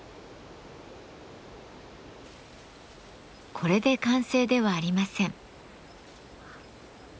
これで完成ではありません。